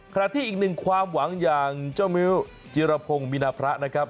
ขณะที่อีกหนึ่งความหวังอย่างเจ้ามิ้วจิรพงศ์มินาพระนะครับ